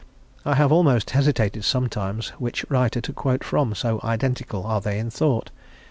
I have almost hesitated sometimes which writer to quote from, so identical are they in thought.